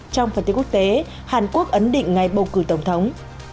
trong phần tiết quốc tế hàn quốc ấn định ngày bầu cử tổng thống